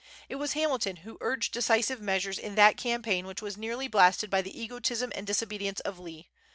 It was Hamilton who urged decisive measures in that campaign which was nearly blasted by the egotism and disobedience of Lee.